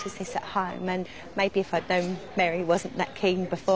はい。